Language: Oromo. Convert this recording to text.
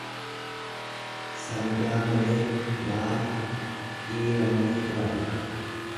Sangaa malee maala dhiira malee gaa'ela.